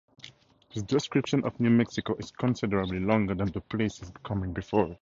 His description of New Mexico is considerably longer than the places coming before it.